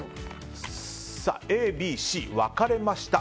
Ａ、Ｂ、Ｃ、分かれました。